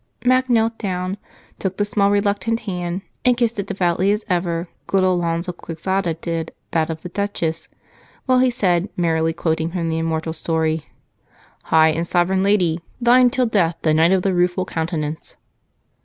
Mac knelt down, took the small, reluctant hand, and kissed it as devoutly as ever good Alonzo Quixada did that of the Duchess while he said, merrily quoting from the immortal story: "'High and Sovereign Lady, thine till death, the Knight of the Rueful Countenance.'"